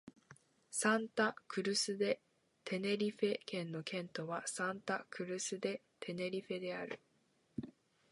サンタ・クルス・デ・テネリフェ県の県都はサンタ・クルス・デ・テネリフェである